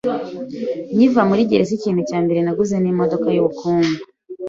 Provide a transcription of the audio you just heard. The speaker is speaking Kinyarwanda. Nkiva muri gereza, ikintu cya mbere naguze ni imodoka yubukungu.